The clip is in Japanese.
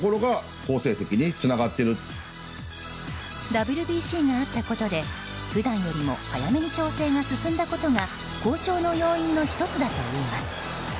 ＷＢＣがあったことで普段よりも早めに調整が進んだことが好調の要因の１つだといいます。